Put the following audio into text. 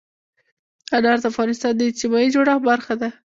انار د افغانستان د اجتماعي جوړښت برخه ده.